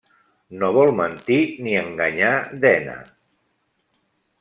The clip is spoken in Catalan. No vol mentir ni enganyar Dena.